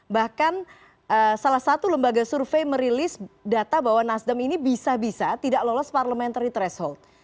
bahkan salah satu lembaga survei merilis data bahwa nasdem ini bisa bisa tidak lolos parliamentary threshold